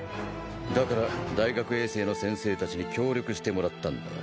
だから大学衛星の先生たちに協力してもらったんだ。